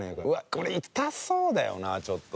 これ痛そうだよなちょっと。